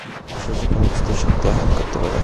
সে যেকোনো কিছু থেকে শক্তি আহরণ করতে পারে।